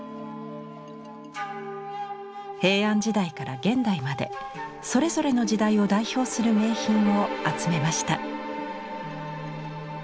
平安時代から現代までそれぞれの時代を代表する名品を集めました。